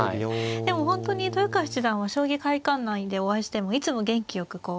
でも本当に豊川七段は将棋会館内でお会いしてもいつも元気よく挨拶をしてくださって。